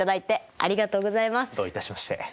どういたしまして。